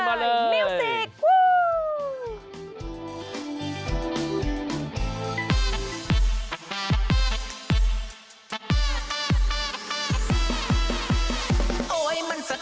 เจอเลยมิวซิก